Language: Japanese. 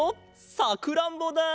さくらんぼだ！